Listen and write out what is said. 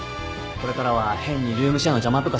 これからは変にルームシェアの邪魔とかしようとせず。